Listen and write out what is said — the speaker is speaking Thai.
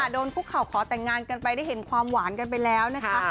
โดนคุกเข่าขอแต่งงานกันไปได้เห็นความหวานกันไปแล้วนะคะ